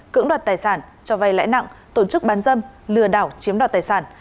cưỡng đoạt tài sản cho vay lãi nặng tổ chức bán dâm lừa đảo chiếm đoạt tài sản